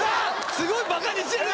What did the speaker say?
すごいバカにしてる